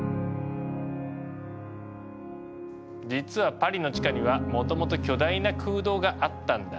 実はパリの地下にはもともと巨大な空洞があったんだ。